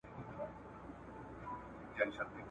ایا د هېواد په لوړو څوکو کې د دایمي واورو اندازه کمه شوې؟